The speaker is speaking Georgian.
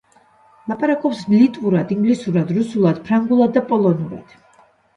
ლაპარაკობს ლიტვურად, ინგლისურად, რუსულად, ფრანგულად და პოლონურად.